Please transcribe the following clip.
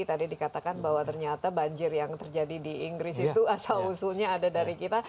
tadi dikatakan bahwa ternyata banjir yang terjadi di inggris itu asal usulnya ada dari kita